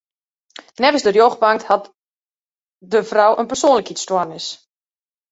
Neffens de rjochtbank hat de frou in persoanlikheidsstoarnis.